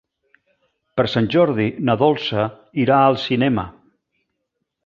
Per Sant Jordi na Dolça irà al cinema.